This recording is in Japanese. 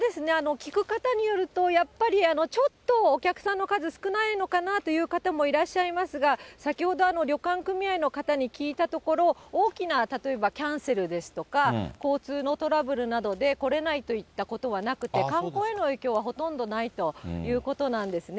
聞く方によると、やっぱり、ちょっとお客さんの数、少ないのかなという方もいらっしゃいますが、先ほど、旅館組合の方に聞いたところ、大きな例えばキャンセルですとか、交通のトラブルなどで来れないといったことはなくて、観光への影響はほとんどないということなんですね。